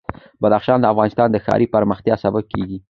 بدخشان د افغانستان د ښاري پراختیا سبب کېږي.